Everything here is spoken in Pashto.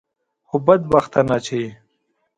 خو بدبختانه چې.